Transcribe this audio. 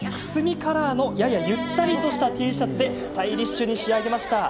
くすみカラーのややゆったりとしたＴシャツでスタイリッシュに仕上げました。